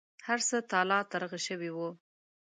هرڅه تالا ترغه شوي و.